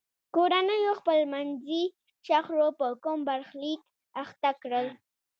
کورنیو خپلمنځي شخړو په کوم برخلیک اخته کړل.